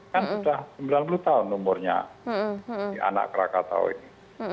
kan sudah sembilan puluh tahun umurnya di anak krakatau ini